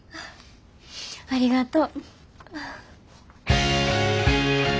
ありがとう。